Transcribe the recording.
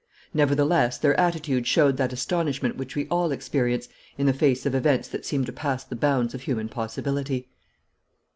Nevertheless, their attitude showed that astonishment which we all experience in the face of events that seem to pass the bounds of human possibility.